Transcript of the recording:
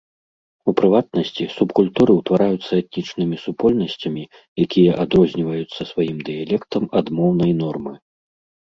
У прыватнасці, субкультуры ўтвараюцца этнічнымі супольнасцямі, якія адрозніваюцца сваім дыялектам ад моўнай нормы.